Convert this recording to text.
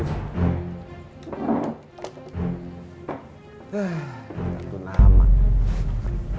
silahkan pak afif